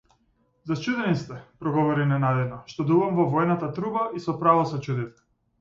Зачудени сте, проговори ненадејно, што дувам во воената труба и со право се чудите!